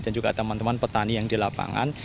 dan juga teman teman petani yang di lapangan